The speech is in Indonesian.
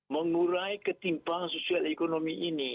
mengurai ketimpangan sosial ekonomi ini